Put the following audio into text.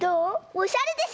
おしゃれでしょ？